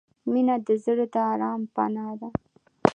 • مینه د زړه د آرام پناه ده.